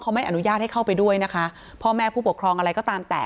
เขาไม่อนุญาตให้เข้าไปด้วยนะคะพ่อแม่ผู้ปกครองอะไรก็ตามแต่